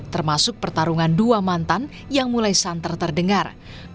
termasuk pertarungan dua mantan yang mulai santer terdengar